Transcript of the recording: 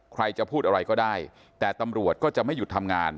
ใครจะพูดอะไรก็ได้แต่ตำรวจก็จะไม่หยุดทำงาน